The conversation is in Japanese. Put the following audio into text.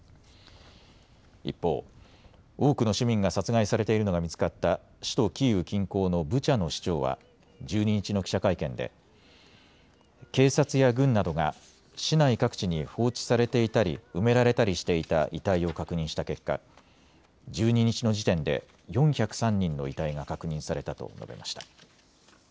一方、多くの市民が殺害されているのが見つかった首都キーウ近郊のブチャの市長は１２日の記者会見で警察や軍などが市内各地に放置されていたり埋められたりしていた遺体を確認した結果、１２日の時点で４０３人の遺体が確認されたと述べました。